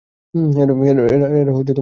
এরা আমার পরিচিত।